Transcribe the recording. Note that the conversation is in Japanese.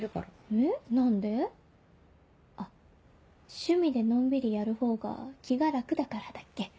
「趣味でのんびりやる方が気が楽だから」だっけ？